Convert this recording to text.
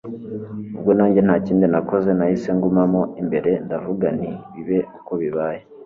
ubwo nanjye ntakindi nakoze nahise ngumamo imbere ndavuga nti bibe uko bibaye